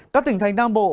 các tỉnh thành nam bộ